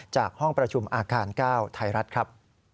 ห้องประชุมอาคาร๙ไทยรัฐครับ